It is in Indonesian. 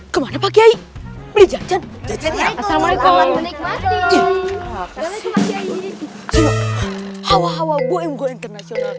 kemana pak kyai beli jajan jajannya selamat menikmati